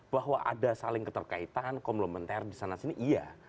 bahwa ada saling keterkaitan komplementer disana sini iya